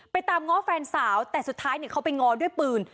ตามง้อแฟนสาวแต่สุดท้ายเขาไปง้อด้วยปืน